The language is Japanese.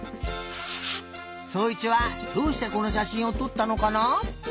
そういちはどうしてこのしゃしんをとったのかな？